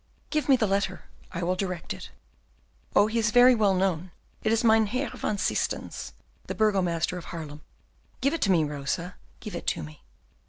"Give me the letter, I will direct it. Oh, he is very well known: it is Mynheer van Systens, the burgomaster of Haarlem; give it to me, Rosa, give it to me."